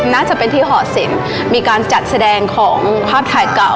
น่าจะเป็นที่หอศิลป์มีการจัดแสดงของภาพถ่ายเก่า